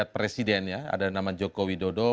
pertanyaan mana tadi